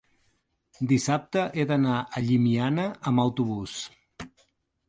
dissabte he d'anar a Llimiana amb autobús.